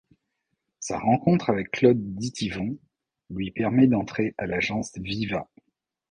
Sa rencontre avec Claude Dityvon lui permet d’entrer à l’agence Viva.